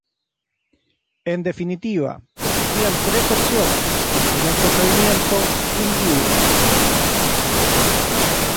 En definitiva, existían tres opciones en el procedimiento "in iure".